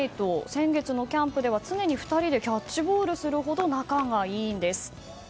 先月のキャンプでは常に２人でキャッチボールするほど仲がいいんです。